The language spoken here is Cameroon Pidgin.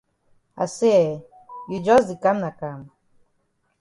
I say eh, you jus di kam na kam?